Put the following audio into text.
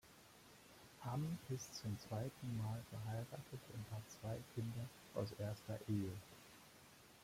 Ham ist zum zweiten Mal verheiratet und hat zwei Kinder aus erster Ehe.